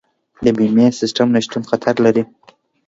د بیمې سیستم نشتون خطر دی.